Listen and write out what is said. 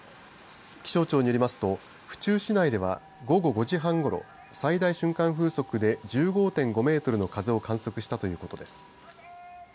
気象庁によりますと府中市内では午後５時半ごろ最大瞬間風速で１５．５メートルの風を観測したということです。